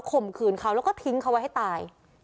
ข่มขืนเขาแล้วก็ทิ้งเขาไว้ให้ตาย